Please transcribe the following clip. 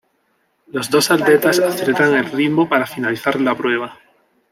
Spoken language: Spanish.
Los dos atletas aceleran el ritmo para finalizar la prueba.